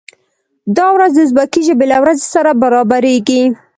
دا ورځ د ازبکي ژبې له ورځې سره برابریږي.